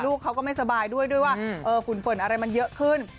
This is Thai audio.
ลูกเขาก็ไม่สบายด้วยด้วยว่าฝุ่นเฟิร์นอะไรมันเยอะขึ้น